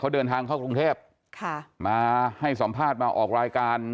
เดินทางเข้ากรุงเทพค่ะมาให้สัมภาษณ์มาออกรายการ